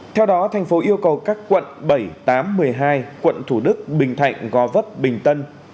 theo đó tp hcm yêu cầu các quận bảy tám một mươi hai quận thủ đức bình thạnh go vấp bình tân